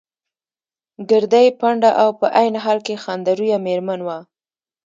ګردۍ، پنډه او په عین حال کې خنده رویه مېرمن وه.